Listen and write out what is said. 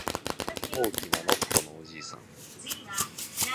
大きなのっぽのおじいさん